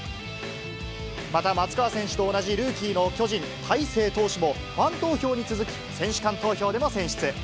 また、松川選手と同じルーキーの巨人、大勢投手も、ファン投票に続き、選手間投票でも選出。